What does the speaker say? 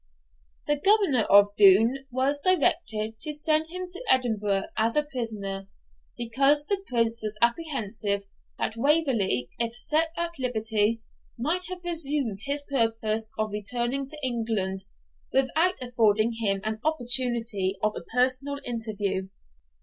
The governor of Doune was directed to send him to Edinburgh as a prisoner, because the Prince was apprehensive that Waverley, if set at liberty, might have resumed his purpose of returning to England, without affording him an opportunity of a personal interview.